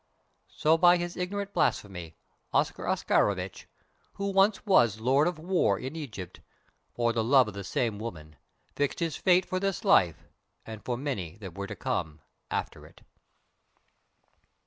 So by his ignorant blasphemy Oscar Oscarovitch, who once was Lord of War in Egypt, for the love of the same woman, fixed his fate for this life, and for many that were to come after it.